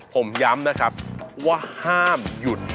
ผมย้ำนะครับว่าห้ามหยุด